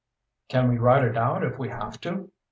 "Can we ride it out if we have to?"